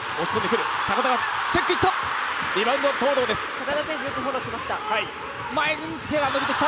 高田選手、よくフォローしました。